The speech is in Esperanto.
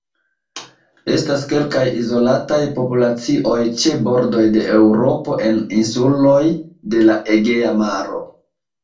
Estas kelkaj izolataj populacioj ĉe bordoj de Eŭropo en insuloj de la Egea Maro.